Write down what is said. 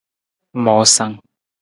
Moosang.